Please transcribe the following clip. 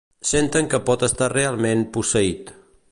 Senten que pot estar realment "posseït".